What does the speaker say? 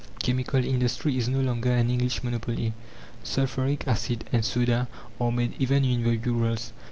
Chemical industry is no longer an English monopoly; sulphuric acid and soda are made even in the Urals.